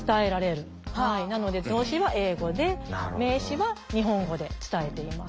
なので動詞は英語で名詞は日本語で伝えています。